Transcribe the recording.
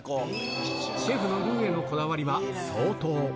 シェフのルーへのこだわりは相当。